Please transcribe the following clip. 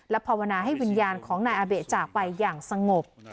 ภาวนาให้วิญญาณของนายอาเบะจากไปอย่างสงบ